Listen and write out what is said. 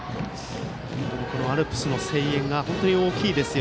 アルプスの声援が本当に大きいですよ。